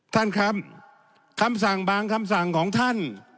ท่านครับคำสั่งบางคำสั่งของท่าน